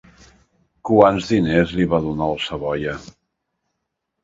Quants diners li va donar al savoià?